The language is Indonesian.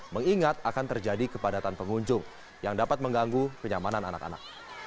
mengingat akan terjadi kepadatan pengunjung yang dapat mengganggu kenyamanan anak anak